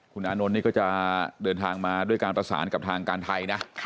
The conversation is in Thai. คุณอานนท์นี่ก็จะเดินทางมาด้วยการประสานกับทางการไทยนะ